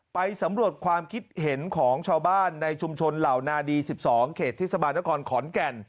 ไปสำรวจความคิดเห็นของชาวบ้านในชุมชนเหล่านาดี๑๒เขตเทศบาลนครขอนแก่น